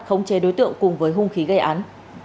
không chê đối tượng cùng với hung khí gây án